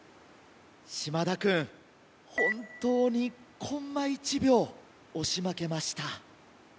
嶋田君本当にコンマ１秒押し負けました。